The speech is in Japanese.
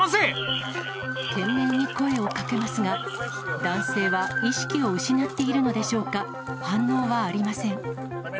懸命に声をかけますが、男性は意識を失っているのでしょうか、反応はありません。